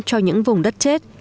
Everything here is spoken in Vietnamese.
cho những vùng đất chết